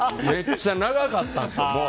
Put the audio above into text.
めっちゃ長かったんです。